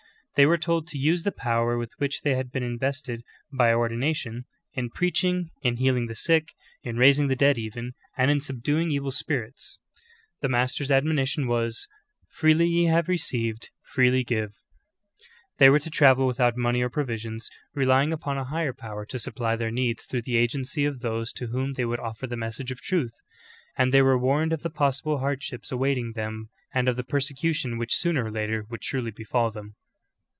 ''* They Vv^ere told to use the power with which they had been invested by or dination,, in preaching, in healing the sick, in raiding the dead even, and in subduing evil spirits; the I^Nlaster's ad monition was, "Freely ye have received, freely give/' They were to travel without money or provisions, relying upon a higher power to supply their needs through the agency of those to whom they would offer the message of truth ; and they were warned of the possible hardships awaiting them fMark 3: 14. '*Luke 6: 13; compare Matt. 10: 1, 2. » Matt. 10: 7; study the entire chapter. 6 THE GREAT APOSTASY. and of the i)crsecution which sooner or later would surely befall them.